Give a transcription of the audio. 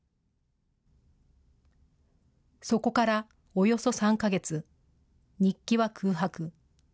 そこからおよそ３か月、日記は空白。